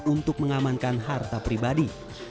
untuk mengamankan harta pribadi